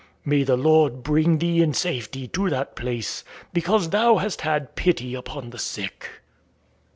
May the Lord bring thee in safety to that place, because thou hast had pity upon the sick."